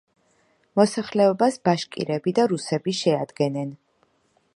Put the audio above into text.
მოსახლეობას ბაშკირები და რუსები შეადგენენ.